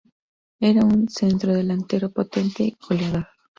Era un centrodelantero potente y goleador.